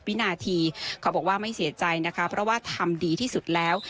วินาทีเขาบอกว่าไม่เสียใจนะคะเพราะว่าทำดีที่สุดแล้ว